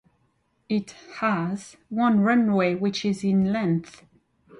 It has one runway which is in length.